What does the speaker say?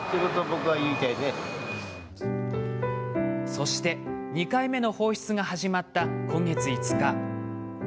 そして２回目の放出が始まった今月５日。